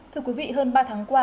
thưa quý vị hơn ba tháng qua